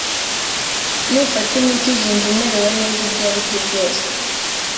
Nufata imiti, uzumva umerewe neza Ibyo ari byo byose,